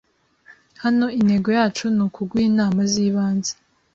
Hano intego yacu ni ukuguha inama z’ibanze